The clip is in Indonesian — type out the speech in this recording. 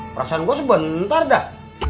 perasaan gua sebentar dah